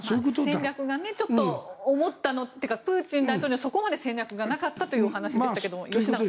戦略が思ったのというかプーチン大統領にそこまで戦略がなかったというお話でしたけど。